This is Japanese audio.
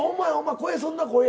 声そんな声や。